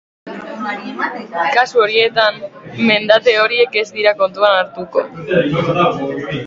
Kasu horietan, mendate horiek ez dira kontuan hartuko.